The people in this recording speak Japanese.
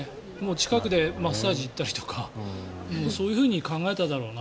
近くでマッサージ行ったりとかそういうふうに考えただろうな。